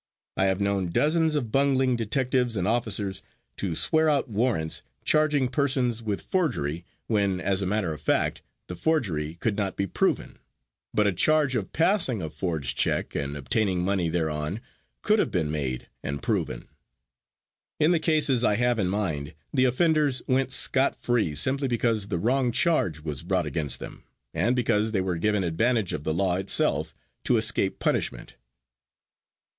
I have known dozens of bungling detectives and officers to swear out warrants charging persons with forgery when, as a matter of fact, the forgery could not be proven, but a charge of passing a forged check and obtaining money thereon could have been made and proven. In the cases I have in mind the offenders went scott free simply because the wrong charge was brought against them, and because they were given advantage of the law itself to escape punishment.